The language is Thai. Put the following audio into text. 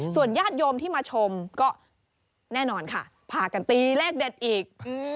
ส่วนญาติโยมที่มาชมก็แน่นอนค่ะพากันตีเลขเด็ดอีก